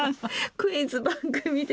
クイズ番組出